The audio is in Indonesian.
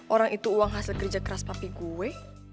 orang itu uang hasil kerja keras papi gue